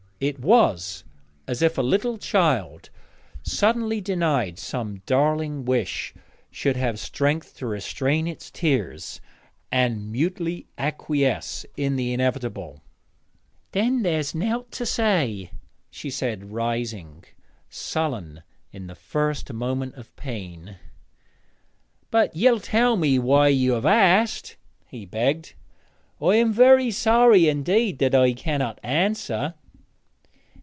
It was as if a little child, suddenly denied some darling wish, should have strength to restrain its tears and mutely acquiesce in the inevitable. 'Then there's nowt to say,' she said, rising, sullen in the first moment of pain. 'But you'll tell me why you have asked?' he begged; 'I am very sorry indeed that I cannot answer.'